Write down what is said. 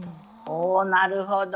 おおなるほど。